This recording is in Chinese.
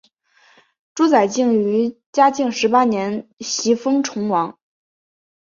朱载境于嘉靖十八年袭封崇王。